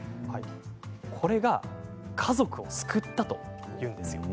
これが家族を救ったというんです。